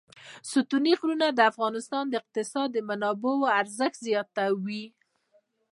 ستوني غرونه د افغانستان د اقتصادي منابعو ارزښت زیاتوي.